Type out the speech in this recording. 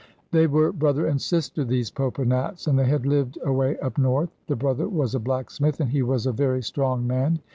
They were brother and sister, these Popa Nats, and they had lived away up North. The brother was a blacksmith, and he was a very strong man.